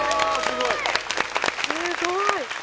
すごい。